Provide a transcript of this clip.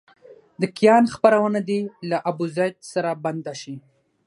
د کیان خپرونه دې له ابوزید سره بنده شي.